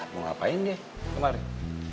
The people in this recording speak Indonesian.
mau ngapain dia kemaren